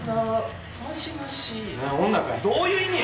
どういう意味や？